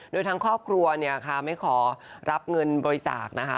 โดยทั้งครอบครัวเนี่ยค่ะไม่ขอรับเงินบริจาคนะคะ